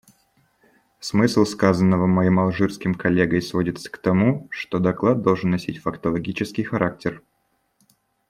Смысл сказанного моим алжирским коллегой сводится к тому, что доклад должен носить фактологический характер.